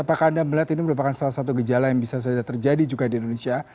apakah anda melihat ini merupakan salah satu gejala yang bisa saja terjadi juga di indonesia